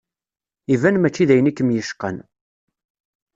Iban mačči d ayen i kem-yecqan.